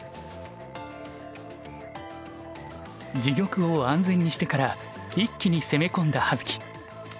自玉を安全にしてから一気に攻め込んだ葉月。